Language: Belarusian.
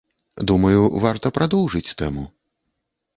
Думаю, варта прадоўжыць тэму.